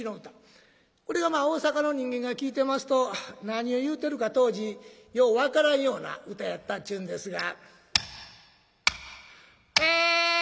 これが大坂の人間が聴いてますと何を言うてるか当時よう分からんような唄やったっちゅうんですが。